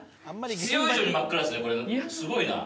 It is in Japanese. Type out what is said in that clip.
すごいな。